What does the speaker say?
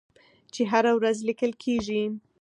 چې هره ورځ لیکل کیږي.